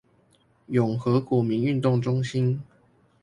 永和國民運動中心